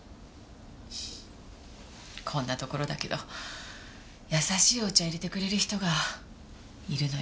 こんな所だけど優しいお茶を淹れてくれる人がいるのよ。